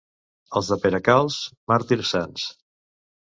Els de Peracalç, màrtirs sants.